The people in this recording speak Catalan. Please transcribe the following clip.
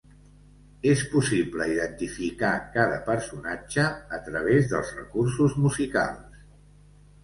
És possible identificar cada personatge, a través dels recursos musicals.